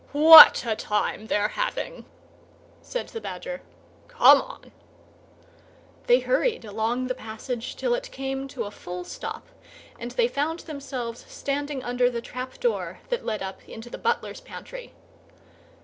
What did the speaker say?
"What a time they're having!" said the Badger. "Come on!" They hurried along the passage till it came to a full stop, and they found themselves standing under the trap door that led up into the butler's pantry.